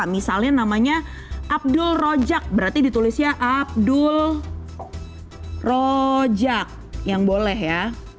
misalnya namanya abdul rojak berarti ditulisnya abdul rojak yang boleh ya